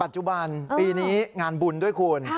จุบันปีนี้งานบุญด้วยคุณ